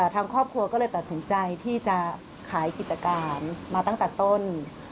ทางครอบครัวก็เลยตัดสินใจที่จะขายกิจการมาตั้งแต่ต้น